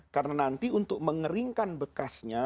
karena nanti untuk mengeringkan bekas